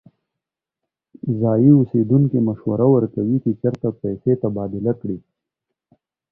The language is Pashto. ځایی اوسیدونکی مشوره ورکوي چې چیرته پیسې تبادله کړي.